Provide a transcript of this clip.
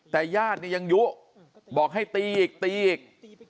แต่ญาตินี่ยังยุบอกให้ตีอีกตีอีก